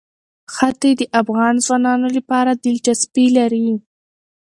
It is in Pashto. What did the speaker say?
ښتې د افغان ځوانانو لپاره دلچسپي لري.